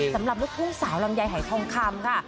สำหรับลูกทุ่งสาวลำไยให้ทองคำค่ะ